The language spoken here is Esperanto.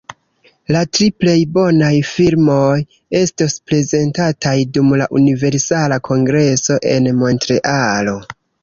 La tri plej bonaj filmoj estos prezentataj dum la Universala Kongreso en Montrealo.